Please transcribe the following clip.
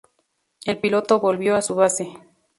El piloto volvió a su base.